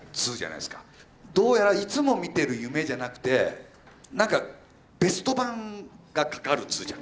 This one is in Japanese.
どうやらいつも見てる夢じゃなくてなんかベスト盤がかかるっつうじゃん